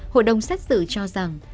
hội đồng xét xử cho rằng